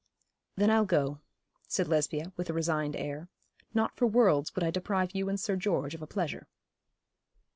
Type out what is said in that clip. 'Then I'll go,' said Lesbia, with a resigned air. 'Not for worlds would I deprive you and Sir George of a pleasure.'